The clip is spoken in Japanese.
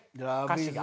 歌詞が。